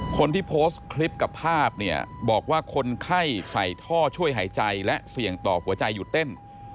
คนที่โพสต์คลิปกับภาพเนี่ยบอกว่าคนไข้ใส่ท่อช่วยหายใจและเสี่ยงต่อหัวใจหยุดเต้น